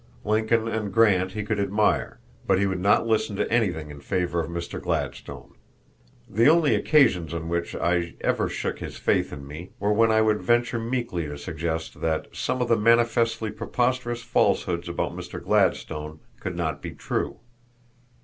Lincoln and Grant he could admire, but he would not listen to anything in favor of Mr. Gladstone. The only occasions on which I ever shook his faith in me were when I would venture meekly to suggest that some of the manifestly preposterous falsehoods about Mr. Gladstone could not be true.